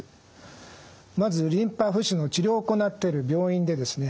まずリンパ浮腫の治療を行ってる病院でですね